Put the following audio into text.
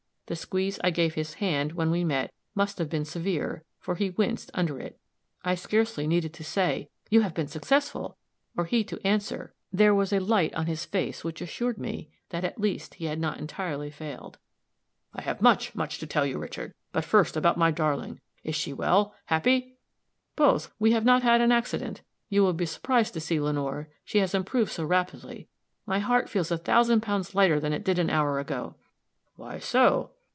The squeeze I gave his hand, when we met, must have been severe, for he winced under it. I scarcely needed to say "You have been successful!" or he to answer; there was a light on his face which assured me that at least he had not entirely failed. "I have much, much to tell you, Richard. But first about my darling is she well happy?" "Both. We have not had an accident. You will be surprised to see Lenore, she has improved so rapidly. My heart feels a thousand pounds lighter than it did an hour ago." "Why so?"